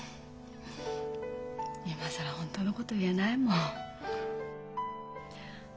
今更本当のこと言えないもん。